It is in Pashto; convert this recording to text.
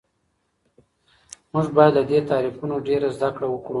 موږ باید له دې تعریفونو ډېره زده کړه وکړو.